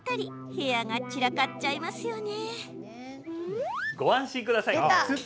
部屋が散らかっちゃいますよね。